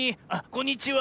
こんにちは。